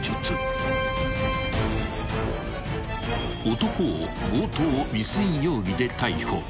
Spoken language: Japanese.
［男を強盗未遂容疑で逮捕］